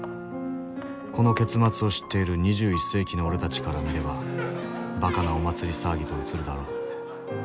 この結末を知っている２１世紀の俺たちから見ればばかなお祭り騒ぎと映るだろう。